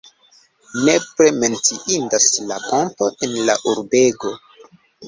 Nepre menciindas la ponto en la urbego.